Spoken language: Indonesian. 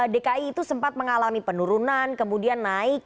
dki itu sempat mengalami penurunan kemudian naik